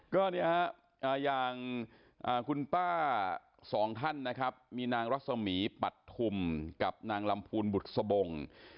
ก็เนี่ยฮะอย่างคุณป้าสองท่านนะครับมีนางรัศมีปัดทุมกับนางลำพูนบุษบง